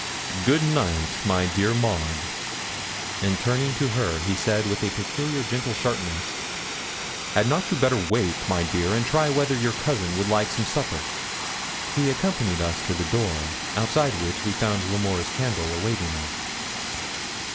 'Good night, my dear Maud;' and turning to her, he said, with a peculiar gentle sharpness, 'Had not you better wake, my dear, and try whether your cousin would like some supper?' So he accompanied us to the door, outside which we found L'Amour's candle awaiting us.